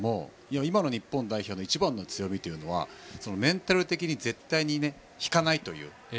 今の日本代表の一番の強みはメンタル的に絶対に引かないと。